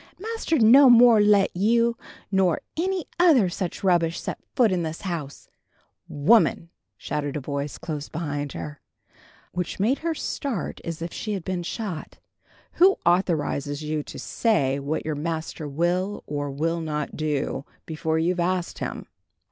"Master'd no more let you nor any other such rubbish set foot in this house " "Woman!" shouted a voice close behind her, which made her start as if she had been shot, "who authorizes you to say what your master will or will not do, before you've asked him?